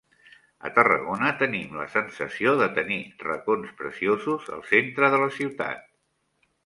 A Tarragona tenim la sensació de tenir racons preciosos al centre de la ciutat.